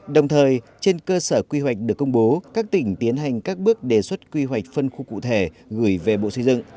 đồng thời trên cơ sở quy hoạch được công bố các tỉnh tiến hành các bước đề xuất quy hoạch phân khu cụ thể gửi về bộ xây dựng